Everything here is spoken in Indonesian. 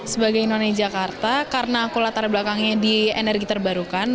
sebagai none jakarta karena aku latar belakangnya di energi terbarukan